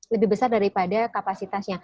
lebih besar daripada kapasitasnya